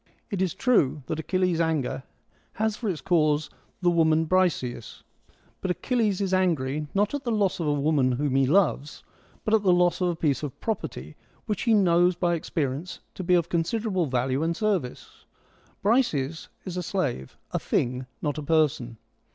It is true that Achilles' anger has for its i 4 FEMINISM IN GREEK LITERATURE cause the woman Briseis ; but Achilles is angry, not at the loss of a woman whom he loves, but at the loss of a piece of property which he knows by experience to be of considerable value and service. Briseis is a slave — a thing, not a person.